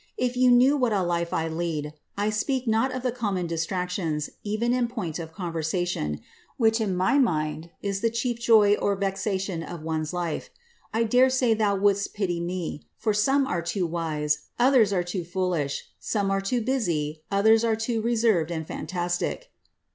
If you knew what a life I lead — I speak not of the common distractions, eren in point of conversation, which, in my mind, is the chief joy or vexation of one's life— I dare say thou wouldst pity me, for some are too wise, others are too Ibolislu some are too busy, others are too reserved and fkntastic.